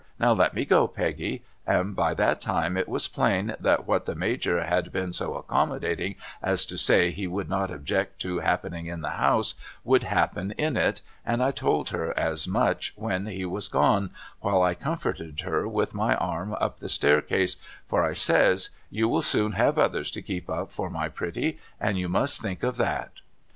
Now let me go Peggy.' And by that time it was plain that what the Major had been so accommodating as to say he would not object to happening in the house, would happen in it, and I told her as much when he was gone while I comforted her with my arm up the staircase, for I says ' You will soon have others to keep up for my pretty and you must think of that.'